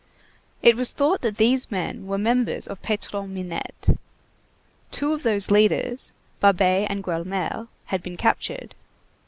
It was thought that these men were members of Patron Minette; two of those leaders, Babet and Gueulemer, had been captured.